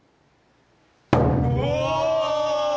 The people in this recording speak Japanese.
うわ！